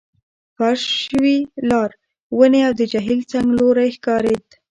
فرش شوي لار، ونې، او د جهیل څنګلوری ښکارېد.